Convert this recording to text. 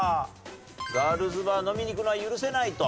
ガールズバー飲みに行くのは許せないと？